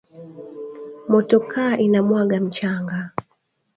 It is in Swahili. Motoka ina mwanga muchanga